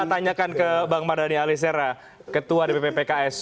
kita tanyakan ke bang mardani alisera ketua dpp pks